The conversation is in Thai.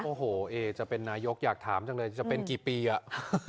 โอ้โหเอจะเป็นนายกอยากถามจังเลยจะเป็นกี่ปีอ่ะ